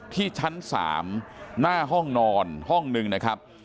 ที่ชั้น๓หน้าห้องนอนห้องหนึ่งนะครับ